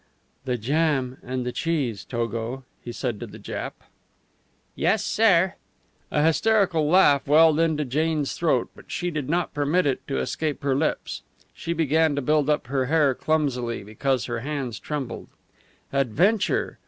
"The jam and the cheese, Togo," he said to the Jap. "Yess, sair!" A hysterical laugh welled into Jane's throat, but she did not permit it to escape her lips. She began to build up her hair clumsily, because her hands trembled. Adventure!